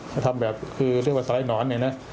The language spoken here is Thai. จะทำแบบคือเรียกว่าสะรายหนอน